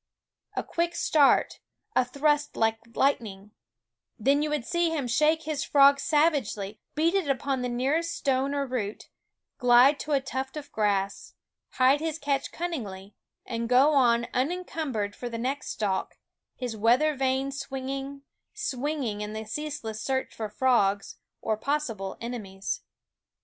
A quick start, a thrust like lightning then you would see him shake his frog savagely, beat it upon the nearest stone or root, glide to a tuft of grass, hide his catch cunningly, and go on unincumbered for the next stalk, his weather vane swinging, swing ing in the ceaseless search for frogs, or pos sible enemies.